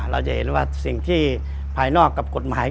เราจะเห็นว่าสิ่งที่ภายนอกกับกฎหมาย